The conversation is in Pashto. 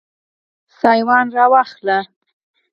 چترۍ را واخله